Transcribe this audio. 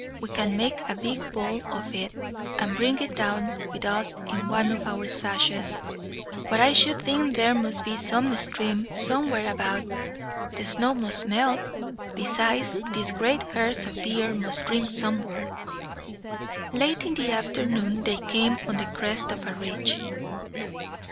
We can make a big ball of it, and bring it down with us in one of our sashes. But I should think there must be some stream, somewhere about. The snow must melt; besides, these great herds of deer must drink somewhere." Late in the afternoon they came on the crest of a ridge.